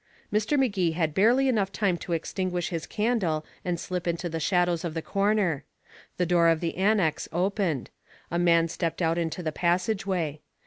Mr. Magee had barely enough time to extinguish his candle and slip into the shadows of the corner. The door of the annex opened. A man stepped out into the passageway.